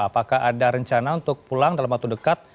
apakah ada rencana untuk pulang dalam waktu dekat